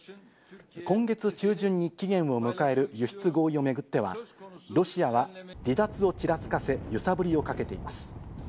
今月中旬に期限を迎える輸出合意を巡っては、ロシアは離脱をちらつかせ、揺さぶりをかけています。